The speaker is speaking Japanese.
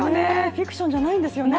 フィクションじゃないんですよね。